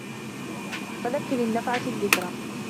فَذَكِّر إِن نَفَعَتِ الذِّكرى